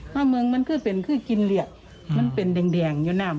ถ้ามึงมันคือเป็นคือกินเหลี่ยมันเป็นแดงอยู่นะ